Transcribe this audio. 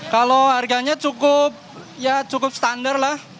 kalau harganya cukup ya cukup standar lah